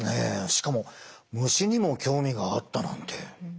しかも虫にも興味があったなんて。